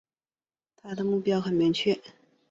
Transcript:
他的目标很明确